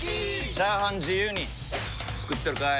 チャーハン自由に作ってるかい！？